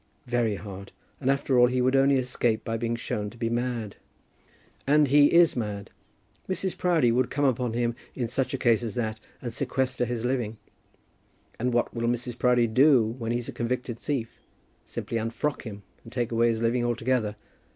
"Very hard. And after all he would only escape by being shown to be mad." "And he is mad." "Mrs. Proudie would come upon him in such a case as that, and sequester his living." "And what will Mrs. Proudie do when he's a convicted thief? Simply unfrock him, and take away his living altogether.